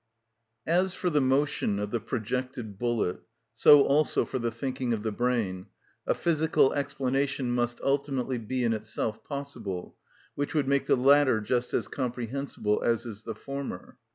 As for the motion of the projected bullet, so also for the thinking of the brain, a physical explanation must ultimately be in itself possible, which would make the latter just as comprehensible as is the former.